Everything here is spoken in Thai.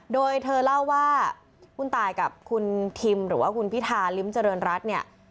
โดยเธอเล่าว่าคุณตายกับคุณทิมหรือว่าคุณพิธาลิ้มเจริญรัฐเนี่ย